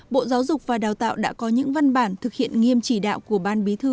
bộ giáo dục và đào tạo đã có những văn bản thực hiện nghiêm chỉ đạo của ban bí thư